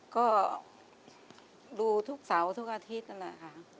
ก็ดูทุกเสาร์ทุกอาทิตย์นั่นแหละค่ะ